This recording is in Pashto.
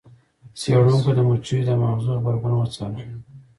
څیړونکو د مچیو د ماغزو غبرګون وڅاره.